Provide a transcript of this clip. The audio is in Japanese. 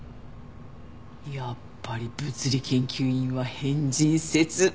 やっぱり物理研究員は変人説。